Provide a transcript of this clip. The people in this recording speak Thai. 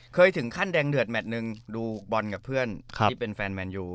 เคยถึงขั้นแดงเดือดแมทนึงดูบอลกับเพื่อนที่เป็นแฟนแมนยู